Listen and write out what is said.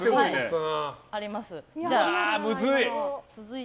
むずい！